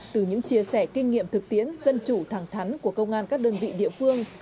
từ những chia sẻ kinh nghiệm thực tiễn dân chủ thẳng thắn của công an các đơn vị địa phương